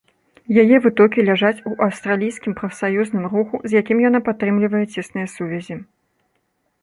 Яе вытокі ляжаць у аўстралійскім прафсаюзным руху, з якім яна падтрымлівае цесныя сувязі.